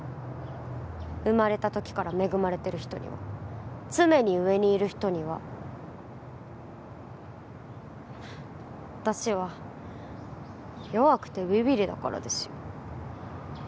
生まれたときから恵まれてる人には常に上にいる人には私は弱くてビビリだからですよ